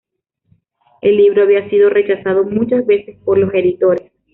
El libro había sido rechazado muchas veces por los editores.